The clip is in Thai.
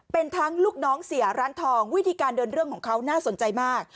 เป็นทั้งลูกน้องเสียร้านทองวิธีการเดินเรื่องของเขาน่าสนใจมาก